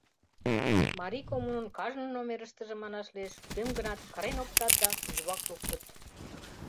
«Марий коммунын» кажне номерыштыже, манаш лиеш, кӧм-гынат кырен оптат да «тӱжвак луктыт».